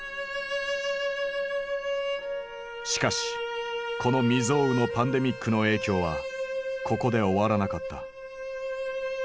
しかしこの未曽有のパンデミックの影響はここで終わらなかった。